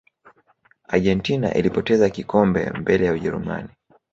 argentina ilipoteza kikombe mbele ya ujerumani